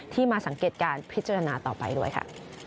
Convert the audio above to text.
มาสังเกตการพิจารณาต่อไปด้วยค่ะ